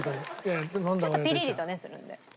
ちょっとピリリとねするので。